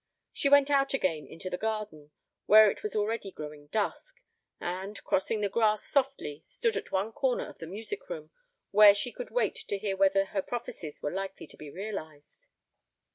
She went out again into the garden, where it was already growing dusk, and, crossing the grass softly, stood at one corner of the music room where she could wait to hear whether her prophecies were likely to be realized.